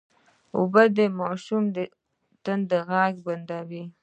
اوبه د ماشوم د تندې غږ بندوي